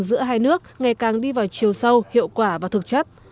giữa hai nước ngày càng đi vào chiều sâu hiệu quả và thực chất